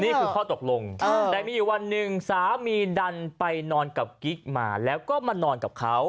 นี่คือข้อตกลงแต่มีอยู่วันหนึ่งสามีดันไปนอนกับกิ๊กมาแล้วก็มานอนกับเขา